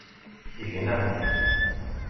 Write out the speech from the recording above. Gnemt!